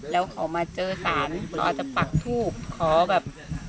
แล้วเขามาเจอศาลเขาอาจจะปักทูบขอแบบ